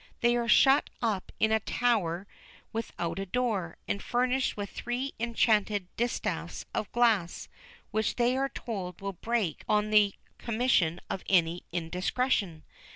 They are shut up in a tower without a door, and furnished with three enchanted distaffs of glass, which they are told will break on the commission of any indiscretion.